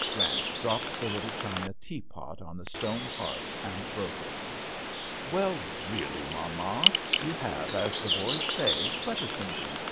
Grant dropped the little china teapot on the stone hearth and broke it. "Well really, mamma, you have, as the boys say, butter fingers